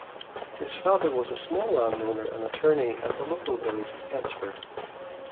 His father was a small landowner and attorney at the local village of Pensford.